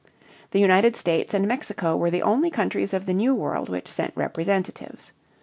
The United States and Mexico were the only countries of the New World which sent representatives.